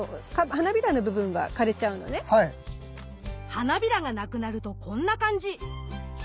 花びらが無くなるとこんな感じ！